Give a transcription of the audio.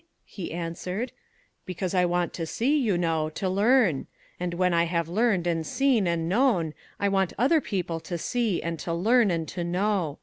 he answered. "Because I want to see, to know, to learn. And when I have learned and seen and known, I want other people to see and to learn and to know.